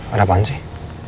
ada apaan sih